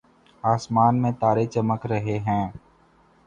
آسمان میں تارے چمک رہے ہیں